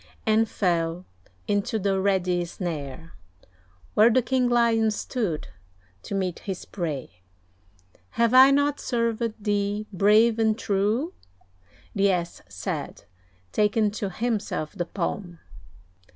And fell into the ready snare, Where the King Lion stood to meet his prey. "Have I not served thee brave and true?" The Ass said, taking to himself the palm.